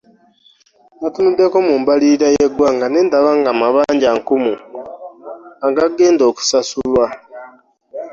Nnatunuddeko mu mbalirira y'eggwanga ne ndaba ng'amabanja nkumu agenda okusasulwa